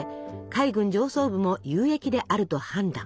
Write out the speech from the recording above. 海軍上層部も有益であると判断。